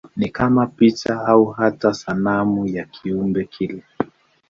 Ni kama picha au hata sanamu ya kiumbe kile.